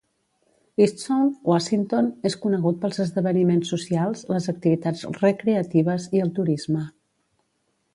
Eastsound (Washington) és conegut pels esdeveniments socials, les activitats recreatives i el turisme.